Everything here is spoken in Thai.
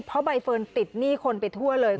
เพราะใบเฟิร์นติดหนี้คนไปทั่วเลย